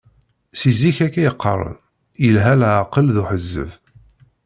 Si zik akka i qqaren, yelha leεqel d uḥezzeb.